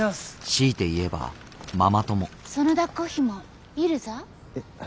強いて言えばママ友そのだっこひもイルザ？